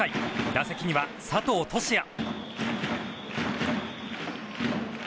打席には佐藤都志也。